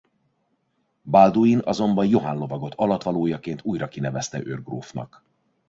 Balduin azonban Johann lovagot alattvalójaként újra kinevezte őrgrófnak.